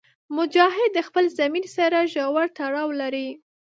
مجاهد د خپل ضمیر سره ژور تړاو لري.